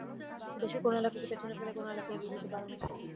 দেশের কোনো এলাকাকে পেছনে ফেলে কোনো এলাকা এগিয়ে যেতে পারে না।